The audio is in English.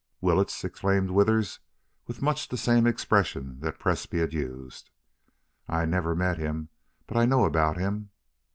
"Willetts!" exclaimed Withers, with much the same expression that Presbrey had used. "I never met him. But I know about him.